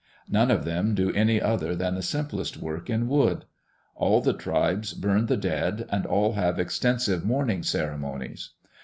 None of them do any other than the simplest work in wood. All the tribes burn the dead and all have extensive mourning ceremonies.